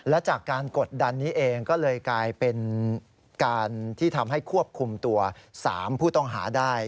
และจากการกดดันนี้เองก็เลยกลายเป็นการที่ทำให้ควบคุมตัว๓ผู้ต้องหาได้